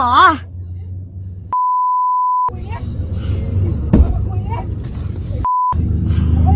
โอ้ยต่อยมากเหรอ